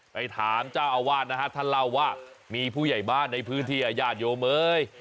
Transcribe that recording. ไปถามเจ้าอาวาสนะฮะท่านเล่าว่ามีผู้ใหญ่บ้านในพื้นที่อาญาติโยเมย